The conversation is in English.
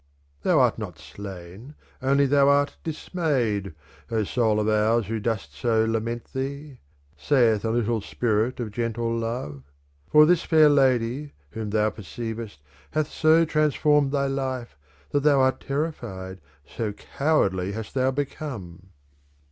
IV ' Thou art not slain, only thou art dismayed O soul of ours, who dost so lament thee,' saith a little spirit of gentle love ;' For this fair lady, whom thou perceivest, hath so transformed thy life, that thiou art terrified, so cowardly hast thou become.